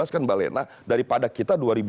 kan mbak lena daripada kita